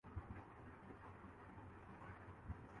ان سب خوش رنگینیوں کے ساتھ چترال کے سادہ لوح اور شرافت کی نعمت سے